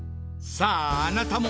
さああなたも！